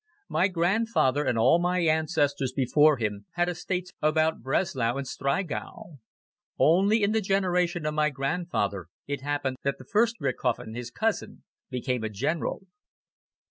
My grandfather and all my ancestors before him had estates about Breslau and Striegau. Only in the generation of my grandfather it happened that the first Richthofen, his cousin, became a General.